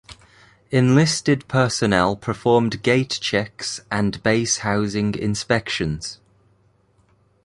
Enlisted personnel performed gate checks and base housing inspections.